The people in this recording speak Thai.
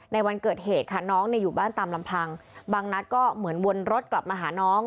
วันเกิดเหตุค่ะน้องอยู่บ้านตามลำพังบางนัดก็เหมือนวนรถกลับมาหาน้อง